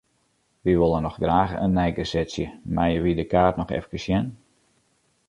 Wy wolle noch graach in neigesetsje, meie wy de kaart noch efkes sjen?